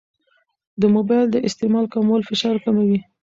د موبایل د استعمال کمول فشار کموي.